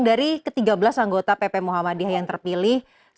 dari ke tiga belas anggota pp muhammadiyah yang terpilih